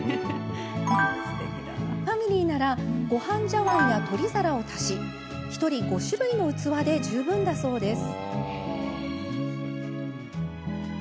ファミリーならごはん茶わんや取り皿を足し１人５種類の器で十分だそうです。